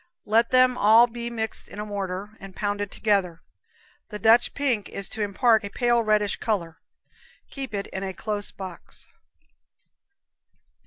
Let them all be mixed in a mortar, and pounded together. The Dutch pink is to impart a pale reddish color. Keep it in a close box.